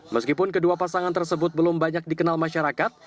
meskipun kedua pasangan tersebut belum banyak dikenal masyarakat